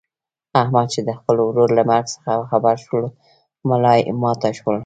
احمد چې د خپل ورور له مرګ څخه خبر شولو ملایې ماته شوله.